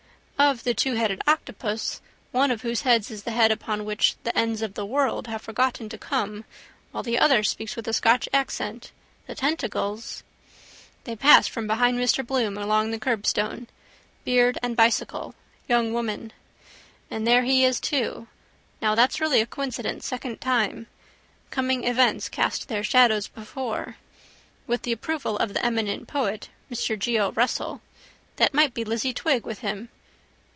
—Of the twoheaded octopus, one of whose heads is the head upon which the ends of the world have forgotten to come while the other speaks with a Scotch accent. The tentacles... They passed from behind Mr Bloom along the curbstone. Beard and bicycle. Young woman. And there he is too. Now that's really a coincidence: second time. Coming events cast their shadows before. With the approval of the eminent poet, Mr Geo. Russell. That might be Lizzie Twigg with him.